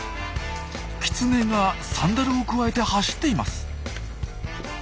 キツネがサンダルをくわえて走っています。